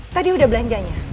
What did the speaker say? tadi udah belanjanya